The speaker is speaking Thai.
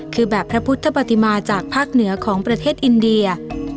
คือแบบพระพุทธปฏิมาจากภาคเหนือของประเทศอินเดีย